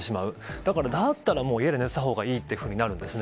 だから、だったらもう、家で寝てたほうがいいってなるんですね。